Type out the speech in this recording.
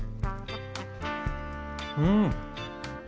うん！